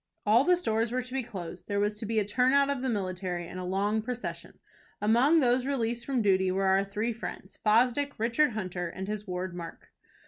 All the stores were to be closed, there was to be a turnout of the military, and a long procession. Among those released from duty were our three friends, Fosdick, Richard Hunter, and his ward Mark.